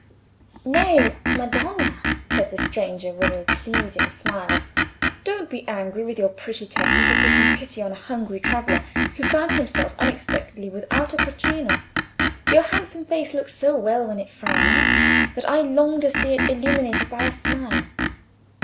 "Nay, Madonna," said the stranger, with a pleading smile, "don't be angry with your pretty Tessa for taking pity on a hungry traveller, who found himself unexpectedly without a quattrino. Your handsome face looks so well when it frowns, that I long to see it illuminated by a smile."